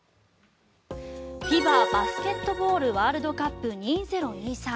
ＦＩＢＡバスケットボールワールドカップ２０２３。